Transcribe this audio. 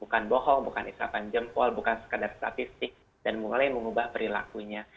bukan bohong bukan isapan jempol bukan sekadar statistik dan mulai mengubah perilakunya